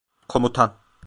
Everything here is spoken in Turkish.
Komutan.